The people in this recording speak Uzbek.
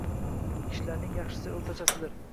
Ishlarning yaxshisi o’rtachasidir.